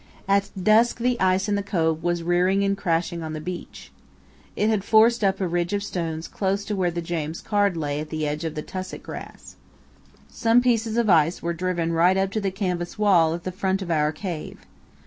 At dusk the ice in the cove was rearing and crashing on the beach. It had forced up a ridge of stones close to where the James Caird lay at the edge of the tussock grass. Some pieces of ice were driven right up to the canvas wall at the front of our cave.